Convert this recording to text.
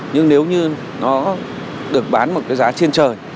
nhưng nếu như nó được bán ở một mức giá trên trời